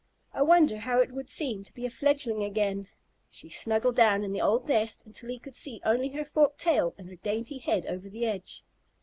I wonder how it would seem to be a fledgling again?" She snuggled down in the old nest until he could see only her forked tail and her dainty head over the edge.